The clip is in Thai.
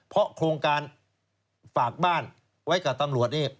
เพราะโครงการฝากบ้านไว้กับตำรวจนี่